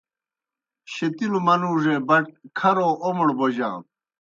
شیتِلوْ منُوڙے بٹ کھرو اومڑ بوجانوْ